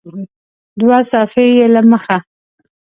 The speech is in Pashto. دوه صفحې یې له مخه